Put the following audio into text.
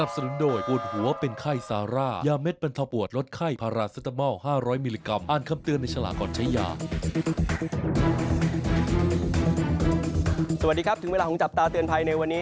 สวัสดีครับถึงเวลาของจับตาเตือนภัยในวันนี้